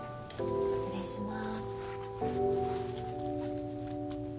失礼します